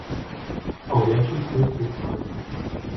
Ahogy esik, úgy puffan.